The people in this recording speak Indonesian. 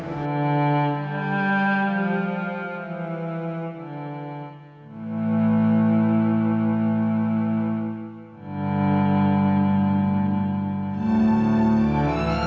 tapi kamu malah mampus gua